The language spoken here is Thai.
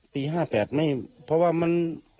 ปี๕๘ไม่เพราะว่ามัน